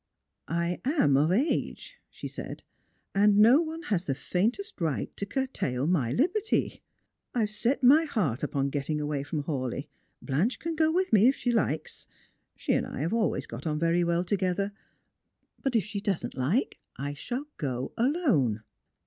" I am of age," she said ;" and no one has the faintest right to curtail my liberty. I have set my heart upon getting away from Hawleigh. Blanche can go with me if she likes. She and I have always got on very well together; but if she doesn't like, I shall go alone."